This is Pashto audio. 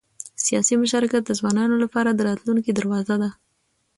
سیاسي مشارکت د ځوانانو لپاره د راتلونکي دروازه ده